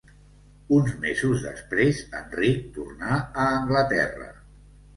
Uns mesos després Enric tornà a Anglaterra.